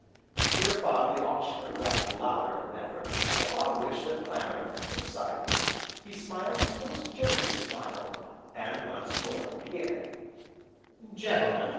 Hereupon the Auctioneer rapped louder than ever, upon which, the clamour subsiding, he smiled his most jovial smile, and once more began: "Gentlemen!